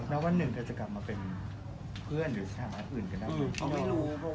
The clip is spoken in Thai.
แล้ววันหนึ่งเธอจะกลับมาเป็นเพื่อนหรือสถานะอื่นก็ได้